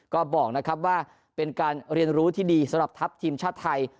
ก็บอกนะครับว่าเป็นการเรียนรู้ที่ดีสำหรับทัพทีมชาติไทย